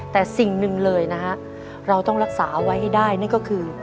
แต่สิ่งหนึ่งเลยนะฮะเราต้องรักษาไว้ให้ได้นั่นก็คือ